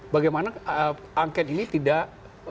bagaimana angket ini tidak